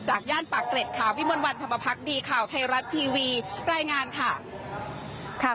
ย่านปากเกร็ดค่ะวิมวลวันธรรมพักดีข่าวไทยรัฐทีวีรายงานค่ะ